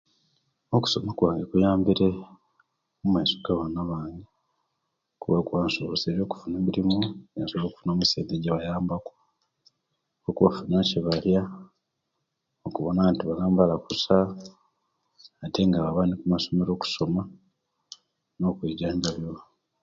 Okusoma okwa kuyambire mumaiso gabana bange kuba kwansoboserie okufuna emirimu nesobola okufuna esente ejibayamba ku okubafunira ekibaria okubona nti balambala kusa nti nga baba kumasomero okusoma no'kwijanjabiwa